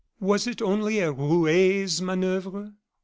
Was it only a roue's manoeuvre?